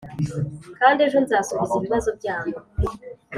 kandi ejo nzasubiza ibibazo byabo